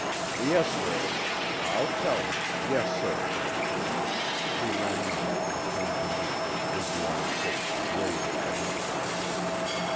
"Yes, sir. I'll tell him, yes, sir." He rang off and turned to me, his long face graver than ever.